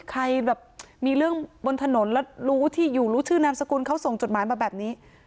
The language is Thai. ใครแบบมีเรื่องบนถนนแล้วรู้ที่อยู่รู้ชื่อนามสกุลเขาส่งจดหมายมาแบบนี้